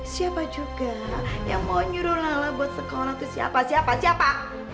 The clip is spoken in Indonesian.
siapa juga yang mau nyuruh lala buat sekolah itu siapa siapa siapa